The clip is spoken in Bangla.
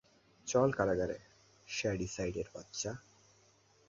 চল কারাগারে, শ্যাডিসাইডের বাচ্চা!